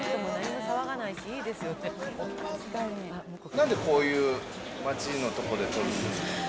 なんでこういう街の所で撮るんですか？